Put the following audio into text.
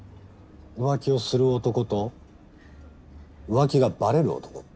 浮気をする男と浮気がバレる男。